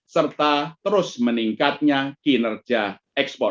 serta terus meningkatnya kinerja ekspor